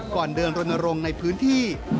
ก่อนเดินรณรงค์ในพื้นที่